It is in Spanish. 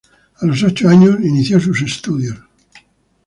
A los ocho años inició sus estudios.